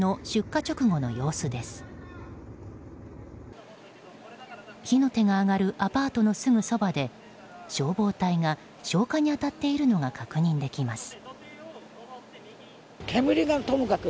火の手が上がるアパートのすぐそばで消防隊が消火に当たっているのが確認できます。